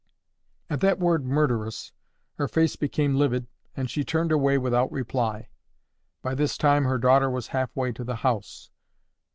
At that word MURDERESS, her face became livid, and she turned away without reply. By this time her daughter was half way to the house.